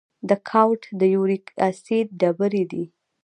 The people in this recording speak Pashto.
د ګاؤټ د یوریک اسید ډبرې دي.